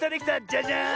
じゃじゃん！